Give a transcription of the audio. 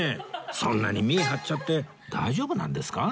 そんなに見え張っちゃって大丈夫なんですか？